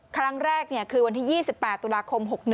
ครั้งแรกคือวันที่๒๘ตุลาคม๖๑